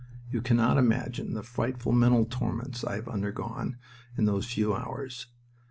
You cannot imagine the frightful mental torments I have undergone in those few hours.